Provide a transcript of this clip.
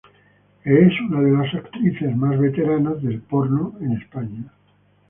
Es una de las actrices más veteranas del porno en España.